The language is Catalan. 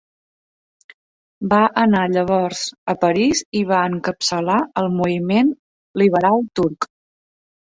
Va anar llavors a París i va encapçalar el moviment liberal turc.